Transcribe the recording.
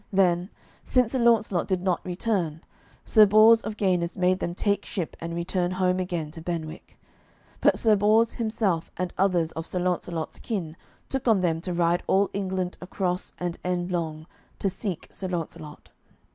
Then, since Sir Launcelot did not return, Sir Bors of Ganis made them take ship and return home again to Benwick. But Sir Bors himself and others of Sir Launcelot's kin took on them to ride all England across and endlong, to seek Sir Launcelot.